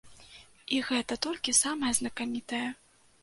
І гэта толькі самае знакамітае.